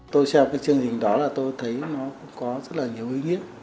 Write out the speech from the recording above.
tôi xem cái chương trình đó là tôi thấy nó có rất là nhiều ý nghĩa